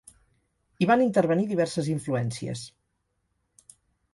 Hi van intervenir diverses influències.